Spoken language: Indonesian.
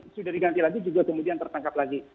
sudah diganti lagi juga kemudian tertangkap lagi